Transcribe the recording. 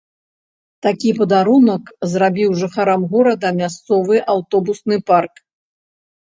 Такі падарунак зрабіў жыхарам горада мясцовы аўтобусны парк.